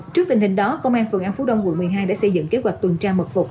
trước tình hình đó công an phường an phú đông quận một mươi hai đã xây dựng kế hoạch tuần tra mật phục